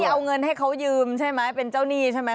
เอาเงินให้เขายืมใช่ไหมเป็นเจ้าหนี้ใช่ไหม